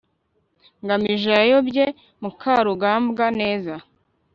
ngamije yayobye mukarugambwa neza